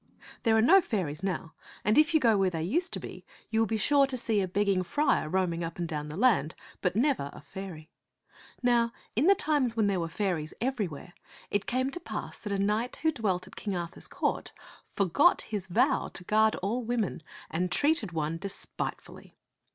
There are no fairies now ; and if you go where they used to be, you will be sure to see a begging friar roaming up and down the land, but never a fairy. Now in the times when there were fairies every where, it came to pass that a knight who dwelt at King Arthur's court forgot his vow to guard all wo men and treated one despitefully.